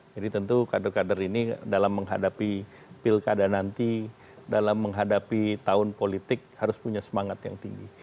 jadi tentu kader kader ini dalam menghadapi pilkada nanti dalam menghadapi tahun politik harus punya semangat yang tinggi